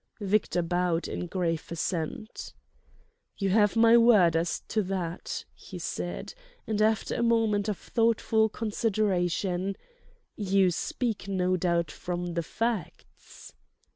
Victor bowed in grave assent. "You have my word as to that," he said; and after a moment of thoughtful consideration: "You speak, no doubt, from the facts?"